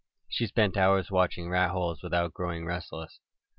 She spent hours watching rat holes without growing restless.